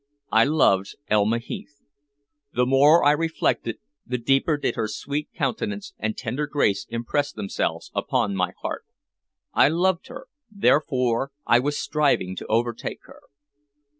I loved Elma Heath. The more I reflected, the deeper did her sweet countenance and tender grace impress themselves upon my heart. I loved her, therefore I was striving to overtake her.